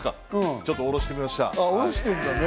ちょっとおろしてみました。